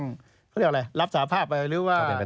เขาเรียกอะไรรับสาภาพไปหรือว่า